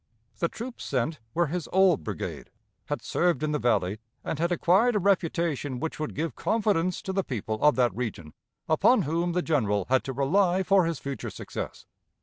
The troops sent were his old brigade, had served in the Valley, and had acquired a reputation which would give confidence to the people of that region upon whom the General had to rely for his future success.